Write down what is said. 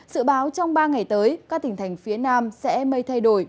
sự báo trong ba ngày tới các tỉnh thành phía nam sẽ mây thay đổi